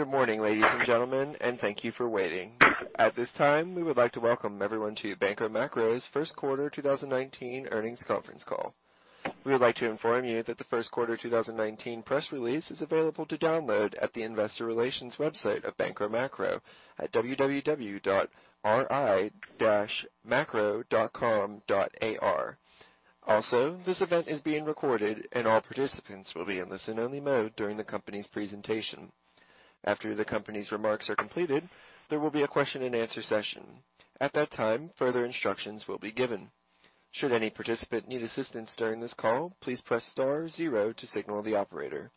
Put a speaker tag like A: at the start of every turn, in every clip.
A: Good morning, ladies and gentlemen, and thank you for waiting. At this time, we would like to welcome everyone to Banco Macro's first quarter 2019 earnings conference call. We would like to inform you that the first quarter 2019 press release is available to download at the investor relations website of Banco Macro at www.ri-macro.com.ar. Also, this event is being recorded and all participants will be in listen-only mode during the company's presentation. After the company's remarks are completed, there will be a question and answer session. At that time, further instructions will be given. Should any participant need assistance during this call, please press star zero to signal the operator.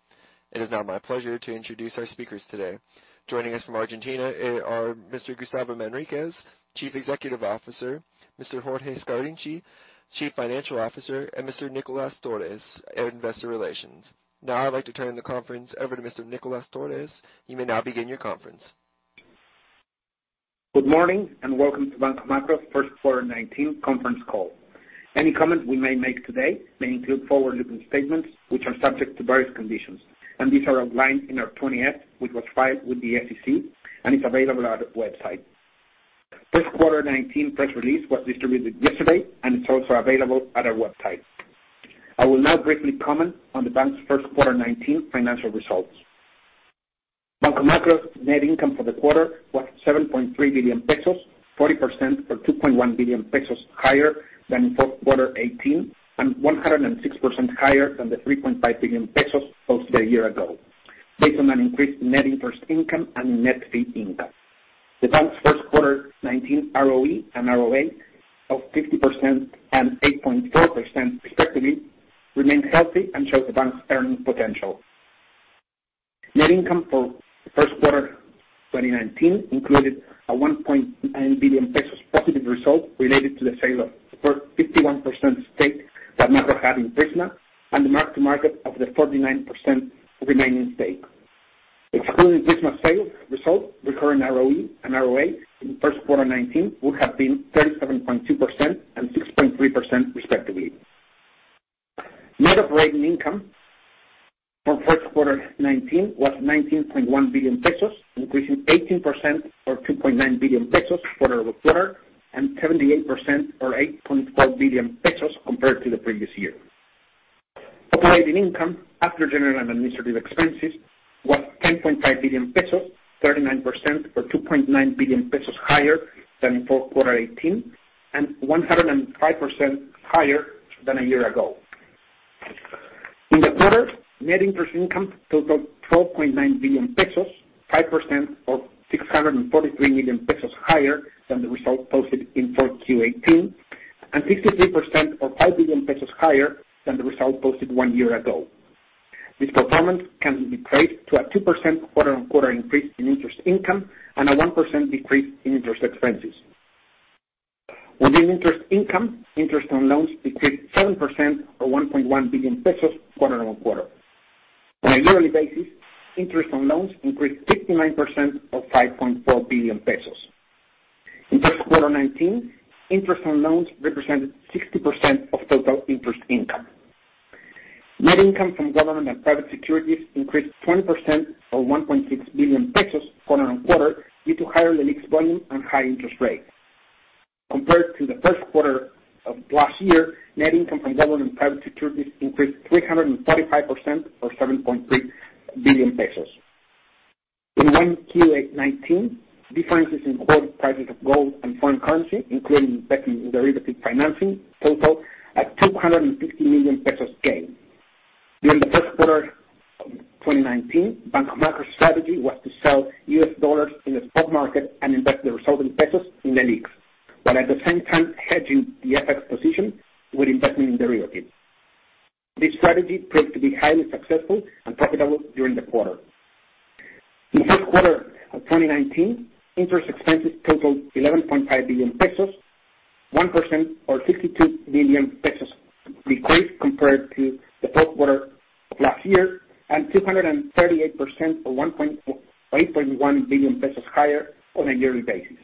A: It is now my pleasure to introduce our speakers today. Joining us from Argentina are Mr. Gustavo Manriquez, Chief Executive Officer, Mr. Jorge Scarinci, Chief Financial Officer, and Mr. Nicolás Torres in investor relations. Now I'd like to turn the conference over to Mr. Nicolás Torres. You may now begin your conference.
B: Good morning, welcome to Banco Macro's first quarter 2019 conference call. Any comment we may make today may include forward-looking statements which are subject to various conditions, and these are outlined in our 20-F, which was filed with the SEC and it's available at our website. First quarter 2019 press release was distributed yesterday, and it's also available at our website. I will now briefly comment on the bank's first quarter 2019 financial results. Banco Macro net income for the quarter was 7.3 billion pesos, 40% or 2.1 billion pesos higher than fourth quarter 2018, and 106% higher than the 3.5 billion pesos posted a year ago based on an increased net interest income and net fee income. The bank's first quarter 2019 ROE and ROA of 50% and 8.4% respectively, remain healthy and show the bank's earning potential. Net income for first quarter 2019 included a 1.9 billion pesos positive result related to the sale of the first 51% stake that Macro had in Prisma, and the mark to market of the 49% remaining stake. Excluding Prisma sale result, recurring ROE and ROA in first quarter 2019 would have been 37.2% and 6.3% respectively. Net operating income for first quarter 2019 was 19.1 billion pesos, increasing 18% or 2.9 billion pesos quarter-over-quarter, and 78% or 8.4 billion pesos compared to the previous year. Operating income after general and administrative expenses was 10.5 billion pesos, 39% or 2.9 billion pesos higher than fourth quarter 2018, and 105% higher than a year ago. In the quarter, net interest income totaled 12.9 billion pesos, 5% or 643 million pesos higher than the result posted in 4Q18, and 53% or 5 billion pesos higher than the result posted one year ago. This performance can be traced to a 2% quarter-on-quarter increase in interest income and a 1% decrease in interest expenses. Within interest income, interest on loans decreased 7% or 1.1 billion pesos quarter-on-quarter. On a yearly basis, interest on loans increased 59% or 5.4 billion pesos. In first quarter 19, interest on loans represented 60% of total interest income. Net income from government and private securities increased 20% or 1.6 billion pesos quarter-on-quarter due to higher LEBAC volume and high interest rates. Compared to the first quarter of last year, net income from government and private securities increased 345% or 7.3 billion pesos. In 1Q19, differences in quote prices of gold and foreign currency, including derivative financing, totaled 250 million pesos gain. During the first quarter of 2019, Banco Macro strategy was to sell US dollars in the spot market and invest the resulting pesos in the LEBAC, while at the same time hedging the FX position with investment in derivatives. This strategy proved to be highly successful and profitable during the quarter. In first quarter of 2019, interest expenses totaled 11.5 billion pesos, 1% or 62 million pesos decrease compared to the fourth quarter of last year, and 238% or 1.1 billion pesos higher on a yearly basis.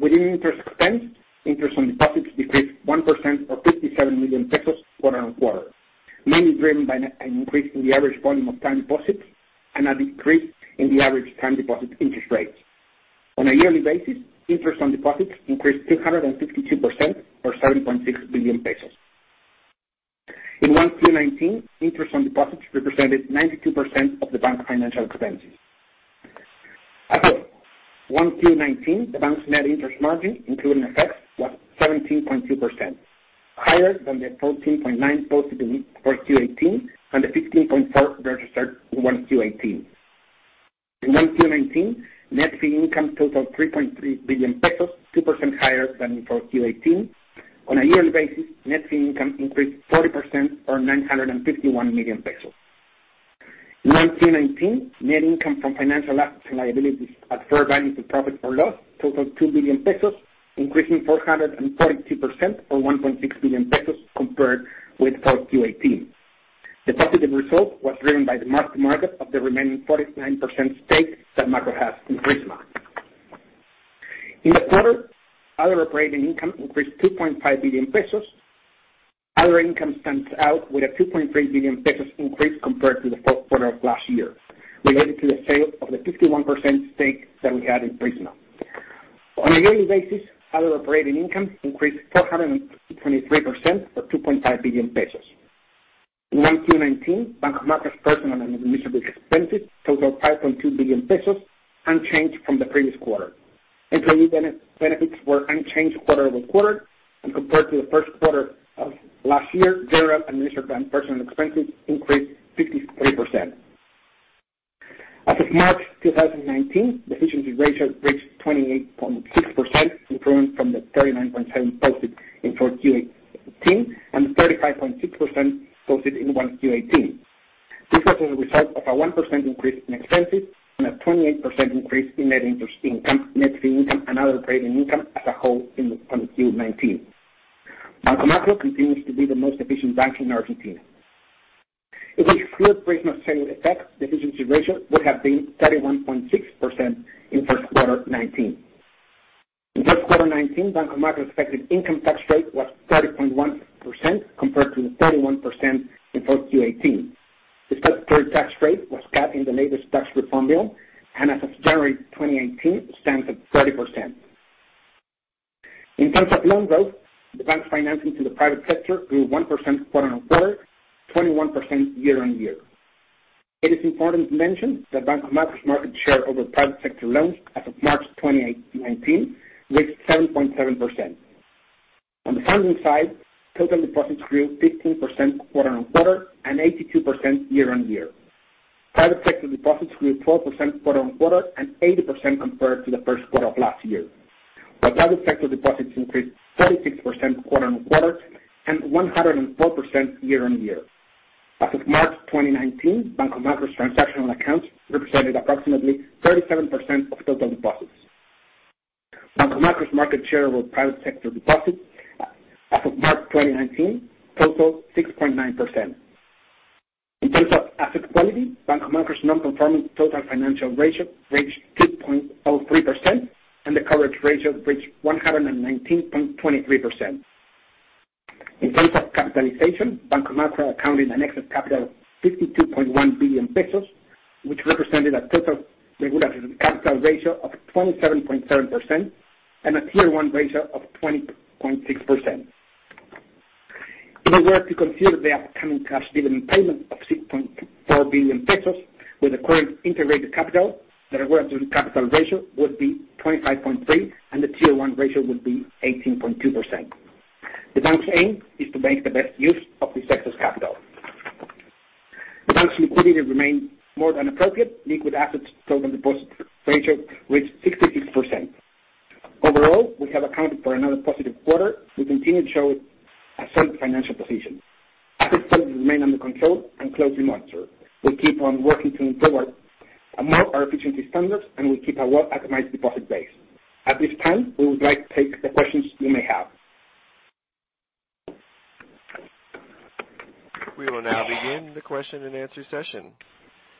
B: Within interest expense, interest on deposits decreased 1% or 57 million pesos quarter-on-quarter, mainly driven by an increase in the average volume of time deposits and a decrease in the average time deposit interest rates. On a yearly basis, interest on deposits increased 252% or 7.6 billion pesos. In 1Q19, interest on deposits represented 92% of the bank financial expenses. At 1Q19, the bank's net interest margin, including effects, was 17.2%, higher than the 14.9% posted in 4Q18, and the 15.4% registered in 1Q18. In 1Q19, net fee income totaled 3.3 billion pesos, 2% higher than in 4Q18. On a yearly basis, net fee income increased 40% or 951 million pesos. In 1Q19, net income from financial liabilities at fair value to profit or loss totaled 2 billion pesos, increasing 442% or 1.6 billion pesos compared with 4Q18. The positive result was driven by the mark-to-market of the remaining 49% stake that Macro has in Prisma. In the quarter, other operating income increased 2.5 billion pesos. Other income stands out with a 2.3 billion pesos increase compared to the fourth quarter of last year, related to the sale of the 51% stake that we had in Prisma. On a yearly basis, other operating income increased 423% or 2.5 billion pesos. In 1Q19, Banco Macro's personal and administrative expenses totaled 5.2 billion pesos, unchanged from the previous quarter. Employee benefits were unchanged quarter-over-quarter, and compared to the first quarter of last year, general administrative and personal expenses increased 53%. As of March 2019, the efficiency ratio reached 28.6%, improving from the 39.7% posted in 4Q18 and the 35.6% posted in 1Q18. This was as a result of a 1% increase in expenses and a 28% increase in net interest income, net fee income, and other operating income as a whole in 2019. Banco Macro continues to be the most efficient bank in Argentina. If we exclude Prisma sale effect, the efficiency ratio would have been 31.6% in first quarter 2019. In first quarter 2019, Banco Macro's effective income tax rate was 30.1% compared to the 31% in 4Q 2018. This third tax rate was cut in the latest tax reform bill, as of January 2019, stands at 30%. In terms of loan growth, the bank's financing to the private sector grew 1% quarter-on-quarter, 21% year-on-year. It is important to mention that Banco Macro's market share over private sector loans as of March 2019 reached 7.7%. On the funding side, total deposits grew 15% quarter-on-quarter 82% year-on-year. Private sector deposits grew 12% quarter-on-quarter 80% compared to the first quarter of 2018, while public sector deposits increased 36% quarter-on-quarter 104% year-on-year. As of March 2019, Banco Macro's transactional accounts represented approximately 37% of total deposits. Banco Macro's market share over private sector deposits as of March 2019 total 6.9%. In terms of asset quality, Banco Macro's non-performing to total financing ratio reached 2.03% and the coverage ratio reached 119.23%. In terms of capitalization, Banco Macro accounted an excess capital 52.1 billion pesos, which represented a total regulatory capital ratio of 27.7% a Tier 1 ratio of 20.6%. In order to consider the upcoming cash dividend payment of 6.4 billion pesos with the current integrated capital, the regulatory capital ratio would be 25.3% and the Tier 1 ratio would be 18.2%. The bank's aim is to make the best use of this excess capital. The bank's liquidity remained more than appropriate. Liquid assets total deposit ratio reached 66%. Overall, we have accounted for another positive quarter. We continue to show a sound financial position. Asset quality remain under control and closely monitored. We keep on working to improve our efficiency standards, we keep a well-optimized deposit base. At this time, we would like to take the questions you may have.
A: We will now begin the question and answer session.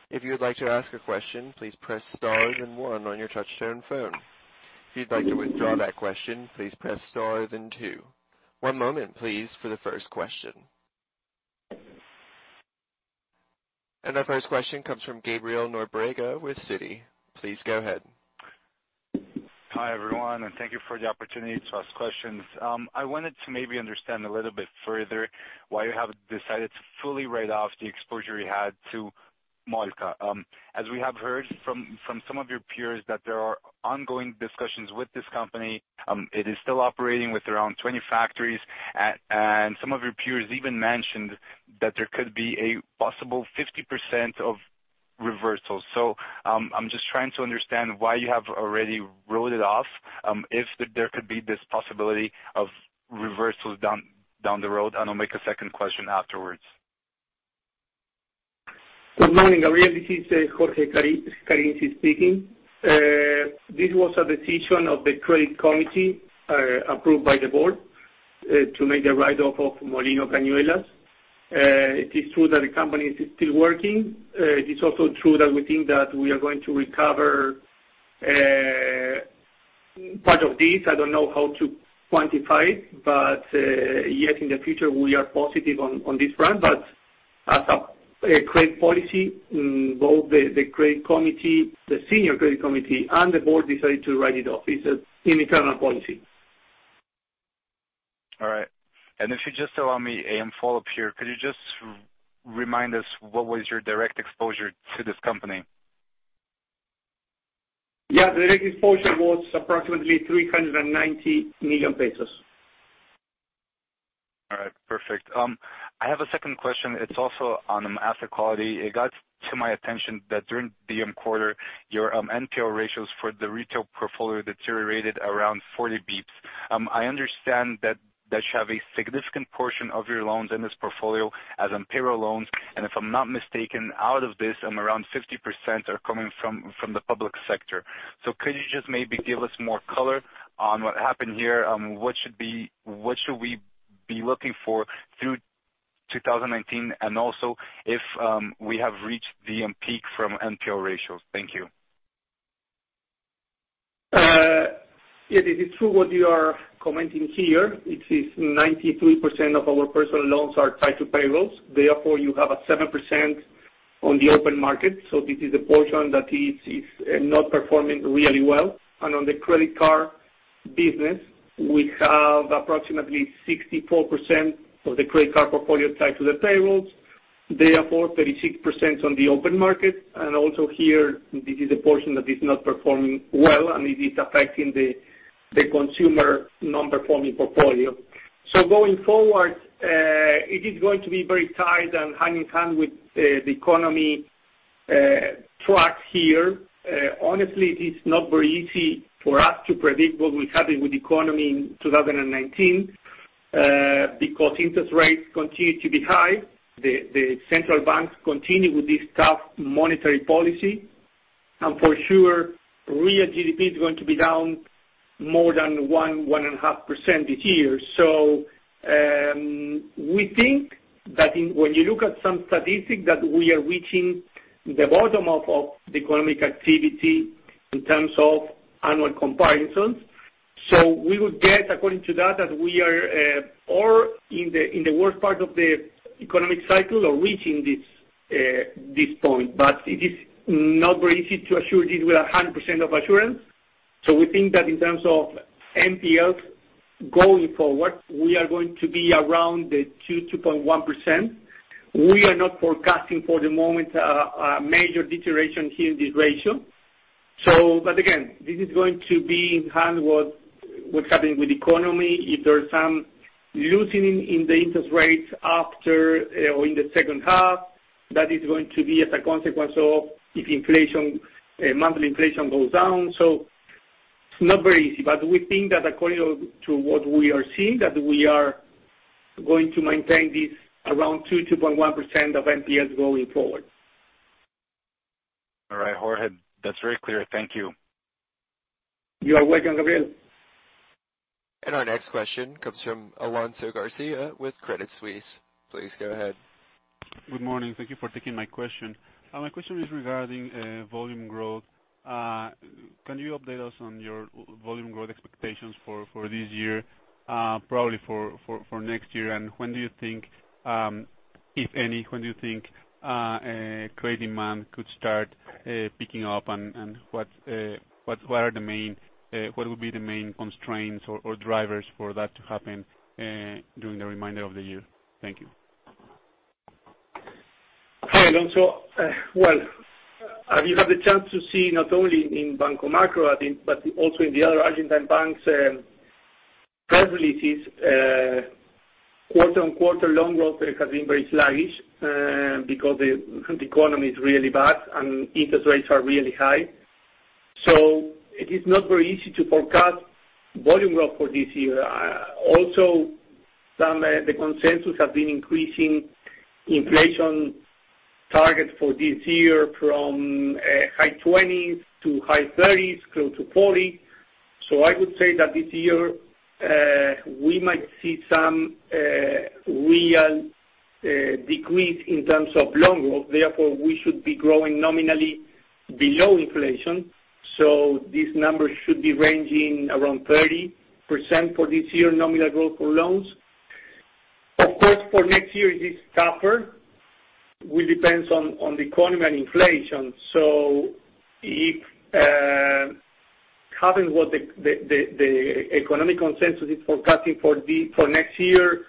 A: If you would like to ask a question, please press star then one on your touchtone phone. If you'd like to withdraw that question, please press star then two. One moment please for the first question. Our first question comes from Gabriel Nóbrega with Citi. Please go ahead.
C: Hi, everyone, and thank you for the opportunity to ask questions. I wanted to maybe understand a little bit further why you have decided to fully write off the exposure you had to Molca. We have heard from some of your peers that there are ongoing discussions with this company. It is still operating with around 20 factories. Some of your peers even mentioned that there could be a possible 50% of reversal. I'm just trying to understand why you have already wrote it off, if there could be this possibility of reversals down the road. I'll make a second question afterwards.
D: Good morning, Gabriel. This is Jorge Scarinci speaking. This was a decision of the credit committee, approved by the board, to make a write-off of Molino Cañuelas. It is true that the company is still working. It is also true that we think that we are going to recover part of this. I don't know how to quantify it, yet in the future, we are positive on this front. As a credit policy, both the credit committee, the senior credit committee and the board decided to write it off. It's an internal policy.
C: All right. If you just allow me a follow-up here, could you just remind us what was your direct exposure to this company?
B: Yeah. The direct exposure was approximately 390 million pesos.
C: All right. Perfect. I have a second question. It's also on asset quality. It got to my attention that during the quarter, your NPL ratios for the retail portfolio deteriorated around 40 basis points. I understand that you have a significant portion of your loans in this portfolio as personal loans, and if I'm not mistaken, out of this, around 50% are coming from the public sector. Could you just maybe give us more color on what happened here? What should we be looking for through 2019, and also if we have reached the peak from NPL ratios. Thank you.
D: Yeah, it is true what you are commenting here. It is 93% of our personal loans are tied to payrolls. Therefore, you have a 7% on the open market. This is a portion that is not performing really well. On the credit card business, we have approximately 64% of the credit card portfolio tied to the payrolls. Therefore, 36% on the open market. Also here, this is a portion that is not performing well and it is affecting the consumer non-performing portfolio. Going forward, it is going to be very tied and hand-in-hand with the economy track here. Honestly, it is not very easy for us to predict what will happen with the economy in 2019, because interest rates continue to be high. The central banks continue with this tough monetary policy. For sure, real GDP is going to be down more than 1.5% this year. We think that when you look at some statistics, that we are reaching the bottom of the economic activity in terms of annual comparisons. We would guess according to that we are, or in the worst part of the economic cycle or reaching this point. It is not very easy to assure this with 100% of assurance. We think that in terms of NPLs going forward, we are going to be around the 2.1%. We are not forecasting for the moment a major deterioration here in this ratio. Again, this is going to be in hand what's happening with the economy. If there's some loosening in the interest rates after or in the second half, that is going to be as a consequence of if monthly inflation goes down. It's not very easy, but we think that according to what we are seeing, that we are going to maintain this around 2.1% of NPLs going forward.
C: All right, Jorge. That's very clear. Thank you.
D: You are welcome, Gabriel.
A: Our next question comes from Alonso Garcia with Credit Suisse. Please go ahead.
E: Good morning. Thank you for taking my question. My question is regarding volume growth. Can you update us on your volume growth expectations for this year, probably for next year, and when do you think, if any, when do you think credit demand could start picking up and what will be the main constraints or drivers for that to happen during the remainder of the year? Thank you.
D: Hi, Alonso. Well, have you had the chance to see not only in Banco Macro, I think, but also in the other Argentine banks, press releases, quarter-on-quarter loan growth rate has been very sluggish because the economy is really bad and interest rates are really high. It is not very easy to forecast volume growth for this year. Also some, the consensus has been increasing inflation targets for this year from high 20s to high 30s, close to 40. I would say that this year we might see some real decrease in terms of loan growth. Therefore, we should be growing nominally below inflation. This number should be ranging around 30% for this year, nominal growth for loans. For next year, it is tougher. It will depend on the economy and inflation. If, having what the economic consensus is forecasting for next year,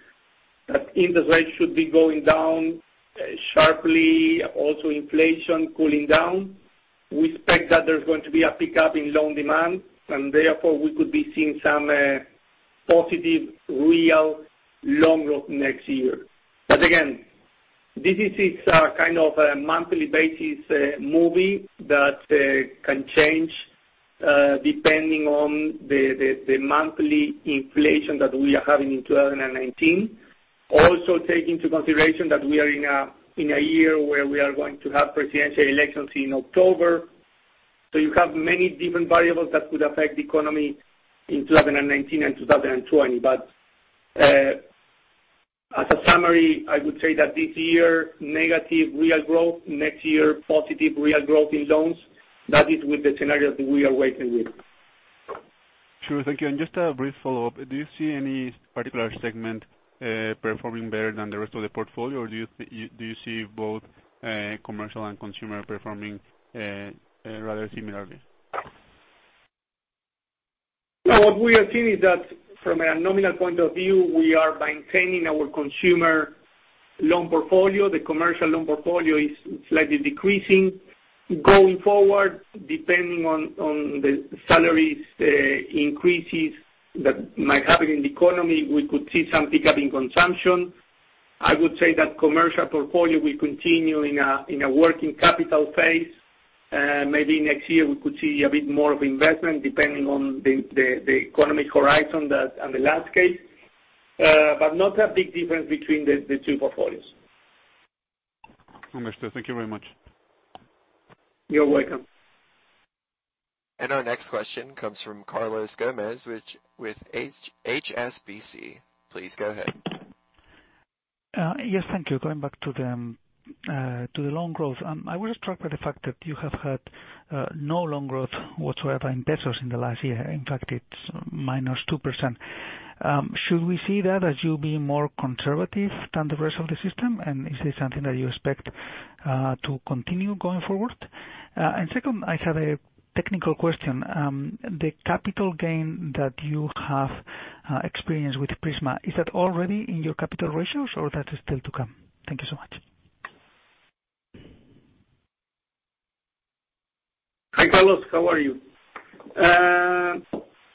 D: that interest rates should be going down sharply, also inflation cooling down, we expect that there's going to be a pickup in loan demand, and therefore we could be seeing some positive real loan growth next year. Again, this is it's kind of a monthly basis moving that can change depending on the monthly inflation that we are having in 2019. Also take into consideration that we are in a year where we are going to have presidential elections in October. You have many different variables that could affect the economy in 2019 and 2020. As a summary, I would say that this year, negative real growth. Next year, positive real growth in loans. That is with the scenario that we are working with.
E: Sure. Thank you. Just a brief follow-up. Do you see any particular segment performing better than the rest of the portfolio, or do you see both commercial and consumer performing rather similarly?
D: No. What we are seeing is that from a nominal point of view, we are maintaining our consumer loan portfolio. The commercial loan portfolio is slightly decreasing. Going forward, depending on the salaries increases that might happen in the economy, we could see some pickup in consumption. I would say that commercial portfolio will continue in a working capital phase. Maybe next year we could see a bit more of investment depending on the economic horizon that and the last case. Not a big difference between the two portfolios.
E: Mr. Thank you very much.
D: You're welcome.
A: Our next question comes from Carlos Gomez-Lopez, with HSBC. Please go ahead.
F: Yes. Thank you. Going back to the loan growth, I was struck by the fact that you have had no loan growth whatsoever in ARS in the last year. In fact, it's -2%. Should we see that as you being more conservative than the rest of the system? Is this something that you expect to continue going forward? Second, I have a technical question. The capital gain that you have experienced with Prisma, is that already in your capital ratios or that is still to come? Thank you so much.
D: Hi, Carlos. How are you?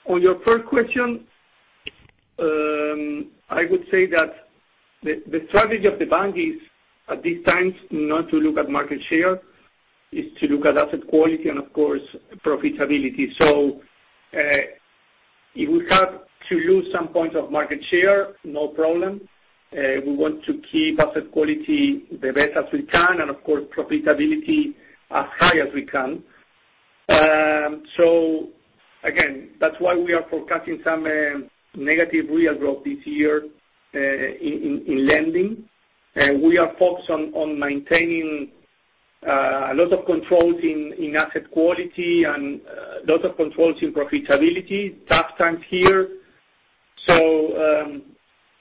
D: On your first question, I would say that the strategy of the bank is, at this time, not to look at market share. It's to look at asset quality and, of course, profitability. If we have to lose some points of market share, no problem. We want to keep asset quality the best as we can and, of course, profitability as high as we can. That's why we are forecasting some negative real growth this year in lending. We are focused on maintaining a lot of controls in asset quality and a lot of controls in profitability. Tough times here.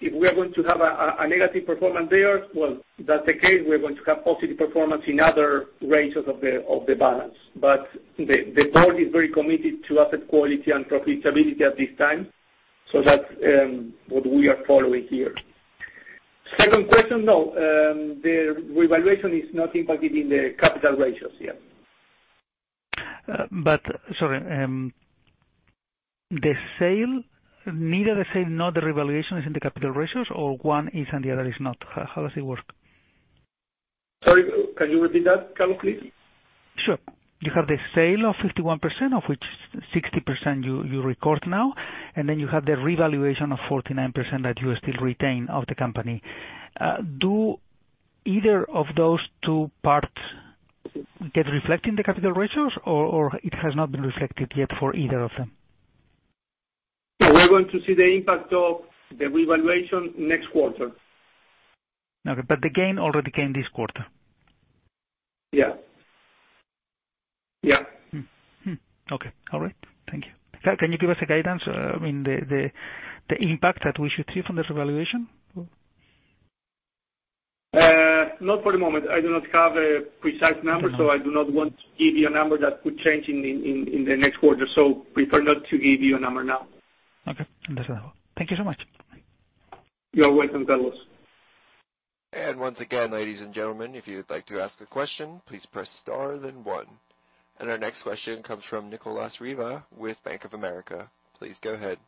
D: If we are going to have a negative performance there, well, that's the case, we're going to have positive performance in other ratios of the balance. The board is very committed to asset quality and profitability at this time, that's what we are following here. Second question, no, the revaluation is not impacted in the capital ratios yet.
F: Sorry. The sale, neither the sale nor the revaluation is in the capital ratios, or one is and the other is not? How does it work?
D: Sorry, can you repeat that, Carlos, please?
F: Sure. You have the sale of 51%, of which 60% you record now, and then you have the revaluation of 49% that you still retain of the company. Do either of those two parts get reflected in the capital ratios, or it has not been reflected yet for either of them?
D: We're going to see the impact of the revaluation next quarter.
F: Okay. The gain already came this quarter.
D: Yeah.
F: Okay. All right. Thank you. Can you give us a guidance, the impact that we should see from this revaluation?
D: Not for the moment. I do not have a precise number, I do not want to give you a number that could change in the next quarter. Prefer not to give you a number now.
F: Okay. Thank you so much.
D: You're welcome, Carlos.
A: Once again, ladies and gentlemen, if you'd like to ask a question, please press star then one. Our next question comes from Nicolas Riva with Bank of America. Please go ahead.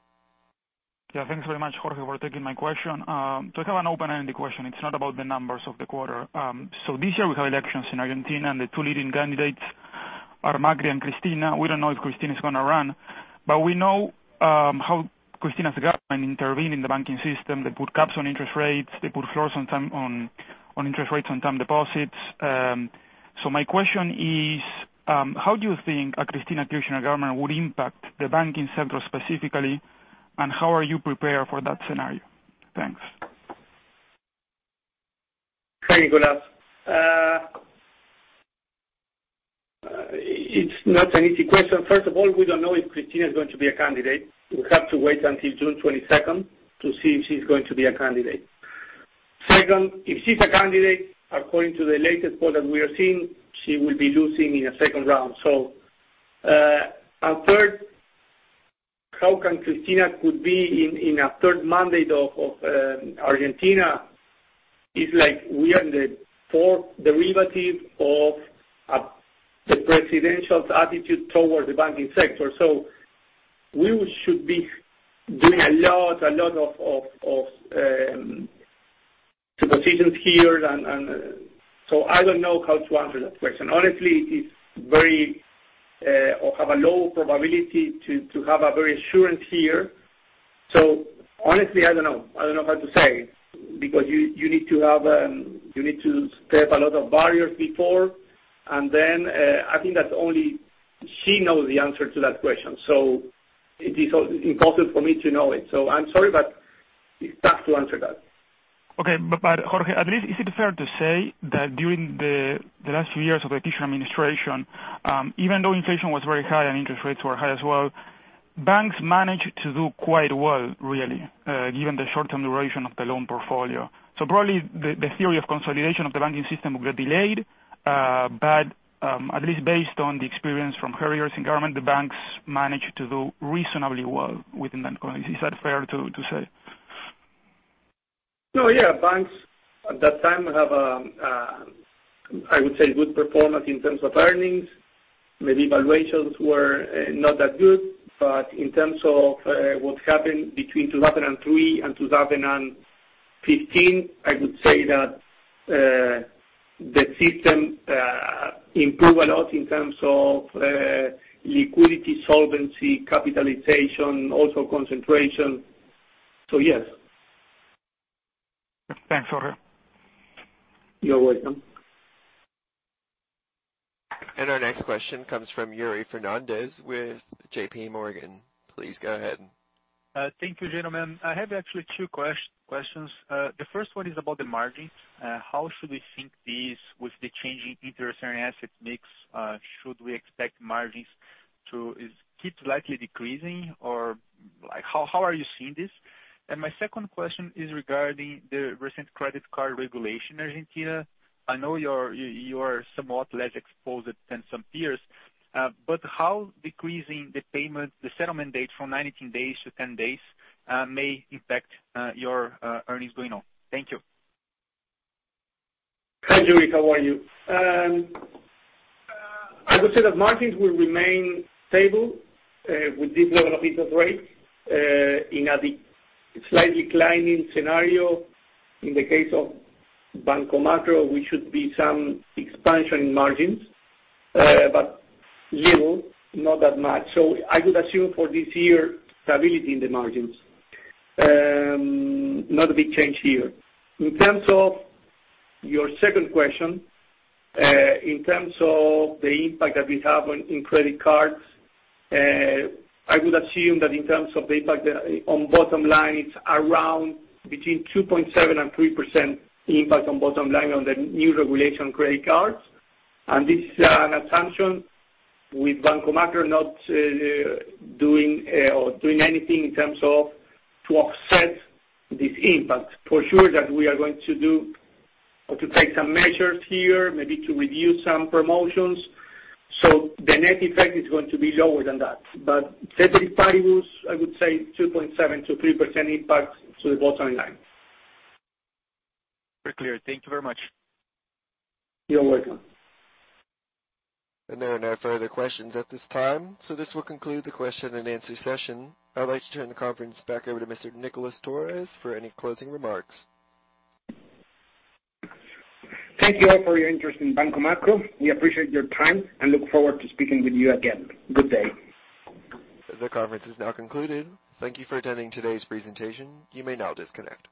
G: Yeah. Thanks very much, Jorge, for taking my question. I have an open-ended question. It's not about the numbers of the quarter. This year we have elections in Argentina, and the two leading candidates are Macri and Cristina. We don't know if Cristina is going to run, but we know how Cristina's government intervene in the banking system. They put caps on interest rates. They put floors on interest rates on term deposits. My question is, how do you think a Cristina Kirchner government would impact the banking sector specifically, and how are you prepared for that scenario? Thanks.
D: Hi, Nicolas. It's not an easy question. First of all, we don't know if Cristina is going to be a candidate. We have to wait until June 22nd to see if she's going to be a candidate. Second, if she's a candidate, according to the latest poll that we are seeing, she will be losing in a second round. Third, how can Cristina could be in a third mandate of Argentina is like we are in the fourth derivative of the presidential's attitude towards the banking sector. We should be doing a lot of decisions here. I don't know how to answer that question. Honestly, have a low probability to have a very assurance here. Honestly, I don't know. I don't know how to say, because you need to step a lot of barriers before, and then I think that only she knows the answer to that question. It is impossible for me to know it. I'm sorry, but it's tough to answer that.
G: Okay. Jorge, at least is it fair to say that during the last few years of the Kirchner administration, even though inflation was very high and interest rates were high as well, banks managed to do quite well, really, given the short-term duration of the loan portfolio. Probably the theory of consolidation of the banking system will get delayed, but, at least based on the experience from her years in government, the banks managed to do reasonably well within that economy. Is that fair to say?
D: Banks at that time have, I would say, good performance in terms of earnings. Maybe valuations were not that good, but in terms of what happened between 2003 and 2015, I would say that the system improved a lot in terms of liquidity, solvency, capitalization, also concentration. Yes.
G: Thanks, Jorge.
D: You're welcome.
A: Our next question comes from Yuri Fernandes with JP Morgan. Please go ahead.
H: Thank you, gentlemen. I have actually 2 questions. The first one is about the margin. How should we think this with the changing interest and asset mix, should we expect margins to keep likely decreasing? How are you seeing this? My second question is regarding the recent credit card regulation in Argentina. I know you are somewhat less exposed than some peers, how decreasing the payment, the settlement date from 19 days to 10 days may impact your earnings going on. Thank you.
D: Hi, Yuri. How are you? I would say that margins will remain stable with deployment of interest rates in a slightly declining scenario. In the case of Banco Macro, we should be some expansion in margins. Little, not that much. I would assume for this year, stability in the margins. Not a big change here. In terms of your second question, in terms of the impact that we have in credit cards, I would assume that in terms of the impact on bottom line, it's around between 2.7% and 3% impact on bottom line on the new regulation credit cards. This is an assumption with Banco Macro not doing anything to offset this impact. For sure that we are going to do or to take some measures here, maybe to review some promotions. The net effect is going to be lower than that. Ex ante, I would say 2.7% to 3% impact to the bottom line.
H: Very clear. Thank you very much.
D: You're welcome.
A: There are no further questions at this time, this will conclude the question and answer session. I'd like to turn the conference back over to Mr. Nicolas Torres for any closing remarks.
B: Thank you all for your interest in Banco Macro. We appreciate your time and look forward to speaking with you again. Good day.
A: The conference is now concluded. Thank you for attending today's presentation. You may now disconnect.